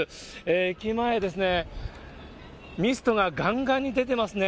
駅前ですね、ミストががんがんに出てますね。